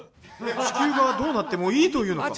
地球がどうなってもいいと言うのか？」。